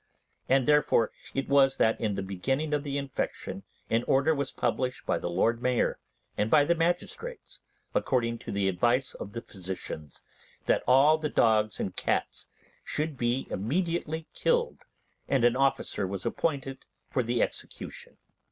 And therefore it was that, in the beginning of the infection, an order was published by the Lord Mayor, and by the magistrates, according to the advice of the physicians, that all the dogs and cats should be immediately killed, and an officer was appointed for the execution.